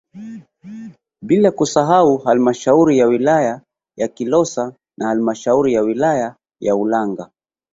Bila kusahau halmashauri ya wilaya ya Kilosa na halmashauri ya wilaya ya Ulanga